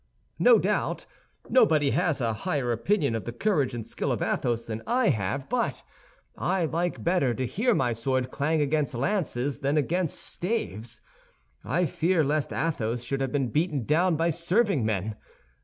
"No doubt. Nobody has a higher opinion of the courage and skill of Athos than I have; but I like better to hear my sword clang against lances than against staves. I fear lest Athos should have been beaten down by serving men.